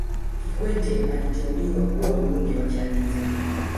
kikwete aliteuliwa kuwa mbunge wa chalinze